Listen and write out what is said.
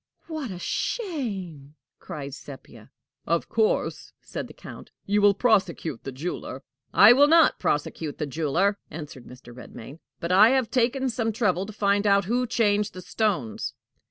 "What a shame!" cried Sepia. "Of course," said the Count, "you will prosecute the jeweler." "I will not prosecute the jeweler," answered Mr. Redmain; "but I have taken some trouble to find out who changed the stones."